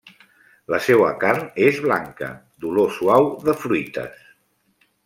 La seua carn és blanca, d'olor suau de fruites.